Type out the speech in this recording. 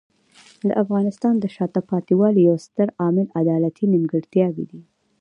د افغانستان د شاته پاتې والي یو ستر عامل عدالتي نیمګړتیاوې دي.